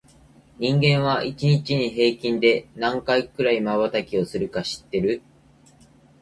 人間は、一日に平均で何回くらいまばたきをするか知ってる？